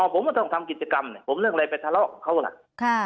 ผมก็ต้องทำกิจกรรมผมเรื่องอะไรไปทะเลาะกับเขาล่ะ